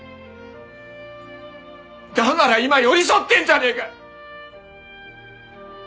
だから今寄り添ってんじゃねえか！